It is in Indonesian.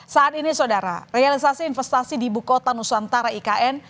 saat ini saudara realisasi investasi di ibu kota nusantara ikn